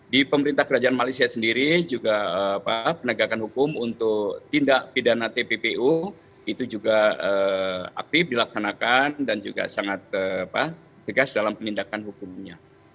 di pemerintah kerajaan malaysia sendiri juga penegakan hukum untuk tindak pidana tppu itu juga aktif dilaksanakan dan juga sangat tegas dalam penindakan hukumnya